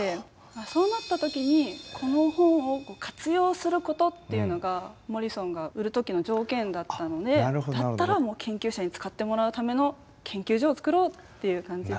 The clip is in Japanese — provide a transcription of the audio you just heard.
そうなった時にこの本を活用することっていうのがモリソンが売る時の条件だったのでだったら研究者に使ってもらうための研究所をつくろうっていう感じで。